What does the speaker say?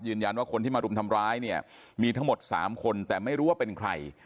คนที่มารุมทำร้ายเนี่ยมีทั้งหมด๓คนแต่ไม่รู้ว่าเป็นใคร